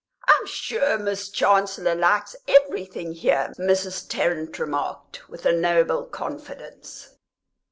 "I'm sure Miss Chancellor likes everything here," Mrs. Tarrant remarked, with a noble confidence.